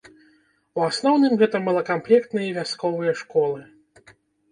У асноўным, гэта малакамплектныя вясковыя школы.